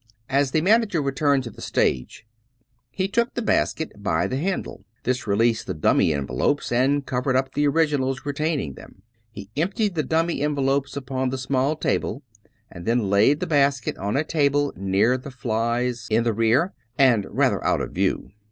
As the manager returned to the stage he took the basket by the handle. This released the dummy envelopes, and cov ered up the originals retaining them. He emptied the dummy envelopes upon the small table and then laid the basket on a table near the flies in the rear, and rather out of view.